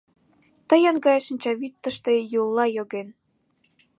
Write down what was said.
Тыйын гай шинчавӱд тыште Юлла йоген.